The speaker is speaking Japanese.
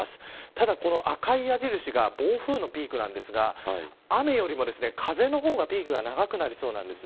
ただ、この赤い矢印が暴風のピークなんですが雨よりも風の方がピークが長くなりそうなんです。